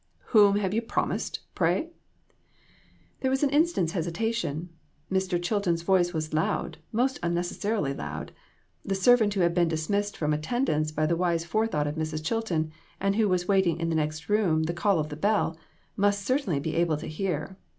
"Whom have you promised, pray?" There was an instant's hesitation. Mr. Chil ton's voice was loud, most unnecessarily loud; the servant who had been dismissed from attendance by the wise forethought of Mrs. Chilton, and who was waiting in the next room the call of the bell, must certainly be able to hear.